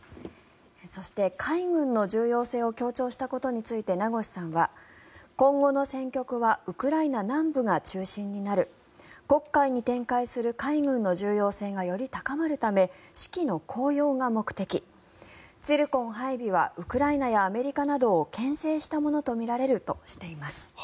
そして、海軍の重要性を強調したことについて名越さんは今後の戦局はウクライナ南部が中心になる黒海に展開する海軍の重要性がより高まるため士気の高揚が目的ツィルコン配備はウクライナやアメリカなどをけん制したものとみられるとしています。